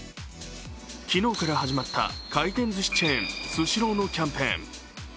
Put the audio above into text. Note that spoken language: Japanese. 昨日から始まった回転ずしチェーンスシローのキャンペーン。